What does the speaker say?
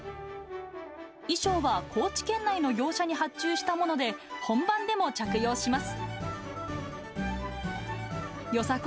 衣装は高知県内の業者に発注したもので、本番でも着用します。